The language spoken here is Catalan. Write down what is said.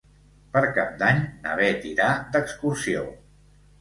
Per Cap d'Any na Beth irà d'excursió.